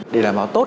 để làm nó tốt